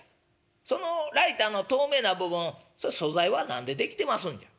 そのライターの透明な部分それ素材は何で出来てますんじゃ？」。